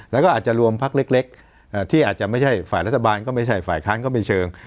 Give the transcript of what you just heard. แล้วก็อาจจะรวมพักเล็กที่อาจจะไม่ใช่ฝ่ายรัฐบาลก็ไม่ใช่ฝ่ายค้านก็ไม่เชิง